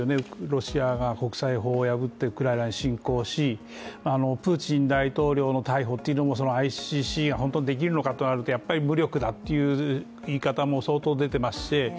ロシアが国際法を破ってウクライナに侵攻しプーチン大統領の逮捕っていうのもＩＣＣが本当にできるのかとなると、やはり無力だという言い方も相当出ていますし。